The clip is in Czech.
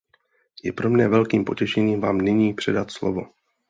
Je pro mne velkým potěšením vám nyní předat slovo.